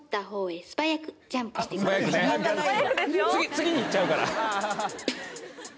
次にいっちゃうから。